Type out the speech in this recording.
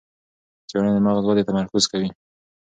څېړنه د مغز ودې تمرکز کوي.